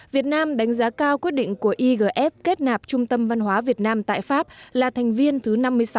việt nam đánh giá cao quyết định của igf kết nạp trung tâm văn hóa việt nam tại pháp là thành viên thứ năm mươi sáu